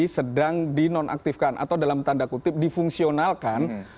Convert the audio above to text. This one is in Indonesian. sedang dinonaktifkan atau dalam tanda kutip difungsionalkan